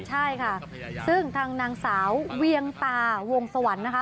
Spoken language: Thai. ใช่ค่ะซึ่งทางนางสาวเวียงตาวงสวรรค์นะคะ